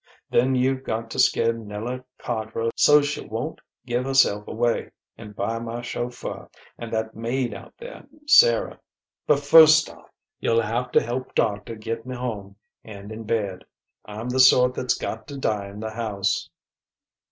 Then you've got to scare Nella Cardrow so's she won't give herself away, and buy my chauffeur and that maid out there, Sara.... But first off, you'll have to help doctor get me home and in bed. I'm the sort that's got to die in the house."